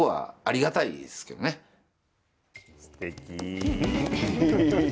すてき。